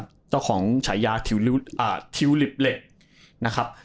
ื้อหืมเจ้าของฉายาทิวริ๊วเรสอะทิวริปเรดนะครับ